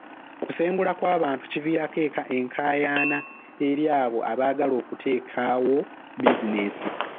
Okusengulwa kw'abantu kiviirako enkaayana eri abo abaagala okuteekawo bizinensi.